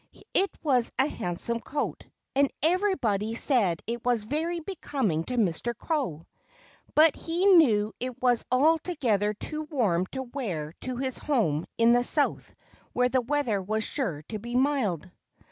It was a handsome coat. And everybody said it was very becoming to Mr. Crow. But he knew it was altogether too warm to wear to his home in the South where the weather was sure to be mild.